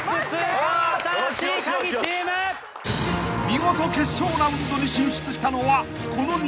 ［見事決勝ラウンドに進出したのはこの２チーム］